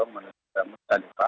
menurut pak menurut pak